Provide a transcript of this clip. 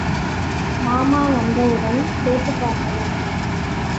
மாமா வந்தவுடன் கேட்டுப் பார்க்கலாம்.